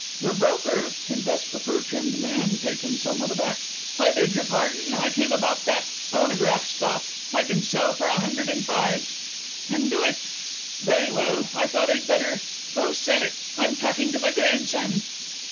"Your broker," confessed the fur trimmed man, taken somewhat aback. "I beg your pardon. I came about that phonograph stock. I can sell for a hundred and five." "Then do it." "Very well. I thought I'd better " "Go sell it. I'm talking to my grandson."